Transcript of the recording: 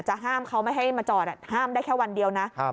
จะห้ามเขาไม่ให้มาจอดอ่ะห้ามได้แค่วันเดียวน่ะครับ